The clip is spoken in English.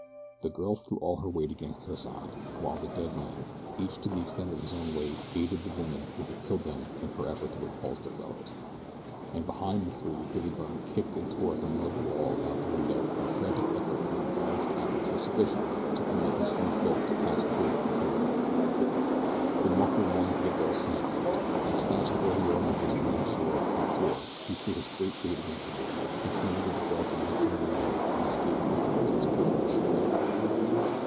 The girl threw all her weight against her side, while the dead men, each to the extent of his own weight, aided the woman who had killed them in her effort to repulse their fellows; and behind the three Billy Byrne kicked and tore at the mud wall about the window in a frantic effort to enlarge the aperture sufficiently to permit his huge bulk to pass through into the little room. The mucker won to the girl's side first, and snatching Oda Yorimoto's long sword from the floor he threw his great weight against the door, and commanded the girl to make for the window and escape to the forest as quickly as she could.